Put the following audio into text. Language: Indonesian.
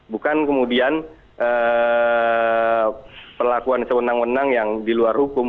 bukan kemudian perlakuan sewendang wendang yang di luar hukum